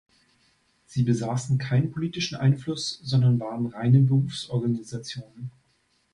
Sie besassen keinen politischen Einfluss, sondern waren reine Berufsorganisationen.